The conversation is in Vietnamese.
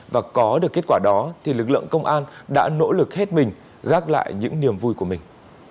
và có được kết quả đó thì lực lượng công an đã nỗ lực hết mình gác lại những niềm vui của mình